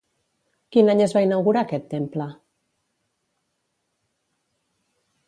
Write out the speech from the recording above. Quin any es va inaugurar aquest temple?